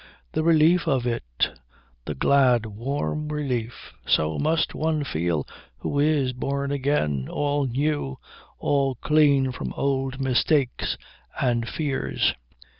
The relief of it. The glad, warm relief. So must one feel who is born again, all new, all clean from old mistakes and fears.